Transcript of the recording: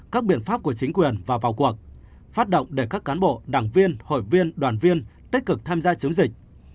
các biện pháp của chính quyền và vào cuộc phát động để các cán bộ đảng viên hội viên đoàn viên tích cực tham gia chống dịch